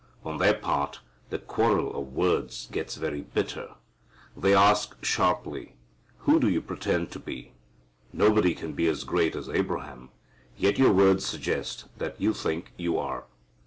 On their part the quarrel of words gets very bitter. They ask sharply, "Who do you pretend to be? Nobody can be as great as Abraham; yet your words suggest that you think you are."